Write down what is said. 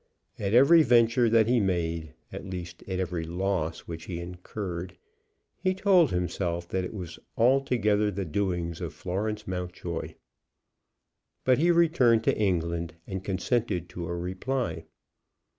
At every venture that he made, at least at every loss which he incurred, he told himself that it was altogether the doings of Florence Mountjoy. But he returned to England, and consented to a reply.